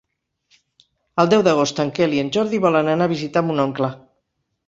El deu d'agost en Quel i en Jordi volen anar a visitar mon oncle.